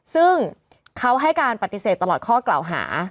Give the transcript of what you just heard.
ซึ่งเขาให้การปฏิเสธตลอดข้อกล่าวหา